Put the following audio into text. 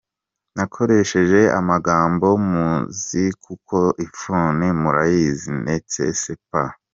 Nakoresheje amagambo muzi kuko ifuni murayizi n”est ce pas